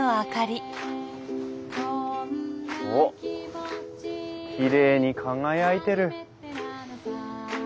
おっきれいに輝いてる。